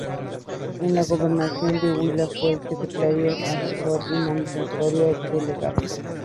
En la Gobernación del Huila fue secretario, asesor y mandatario delegado.